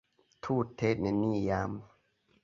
Tute neniam.